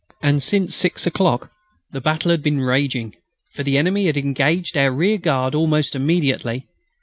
And since six o'clock the battle had been raging, for the enemy had engaged our rearguard almost immediately.